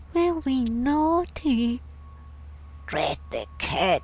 Were we naughty?' "'Drat the cats!'